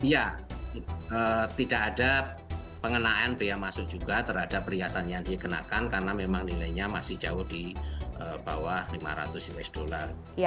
ya tidak ada pengenaan biaya masuk juga terhadap perhiasan yang dikenakan karena memang nilainya masih jauh di bawah lima ratus usd